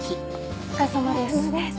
お疲れさまです。